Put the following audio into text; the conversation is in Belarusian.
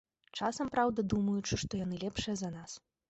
Часам, праўда, думаючы, што яны лепшыя за нас.